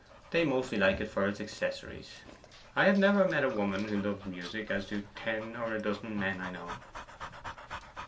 They mostly like it for its accessories. I have never met a woman who loves music as do ten or a dozen men I know.